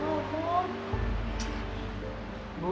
makanya kamu sih kebanyakan lho bu